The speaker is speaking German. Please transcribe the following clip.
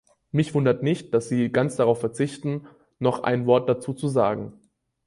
Mich wundert nicht, dass Sie ganz darauf verzichten, noch ein Wort dazu zu sagen.